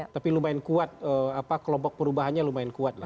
tapi lumayan kuat kelompok perubahannya lumayan kuat lah